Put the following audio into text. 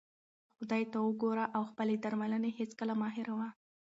خدای ته وګوره او خپلې درملې هیڅکله مه هېروه.